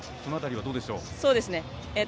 その辺りはどうでしょう。